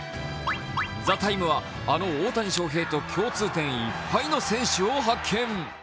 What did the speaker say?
「ＴＨＥＴＩＭＥ，」はあの大谷翔平と共通点いっぱいの選手を発見。